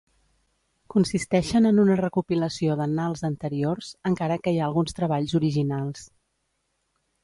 Consisteixen en una recopilació d'annals anteriors, encara que hi ha alguns treballs originals.